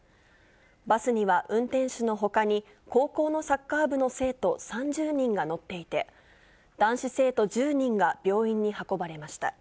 バスには運転手のほかに、高校のサッカー部の生徒３０人が乗っていて、男子生徒１０人が病院に運ばれました。